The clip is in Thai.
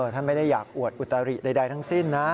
ท่านไม่ได้อยากอวดอุตริใดทั้งสิ้นนะ